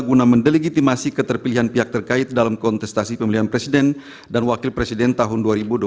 guna mendelegitimasi keterpilihan pihak terkait dalam kontestasi pemilihan presiden dan wakil presiden tahun dua ribu dua puluh